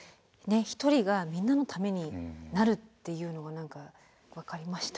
一人がみんなのためになるっていうのが何か分かりました。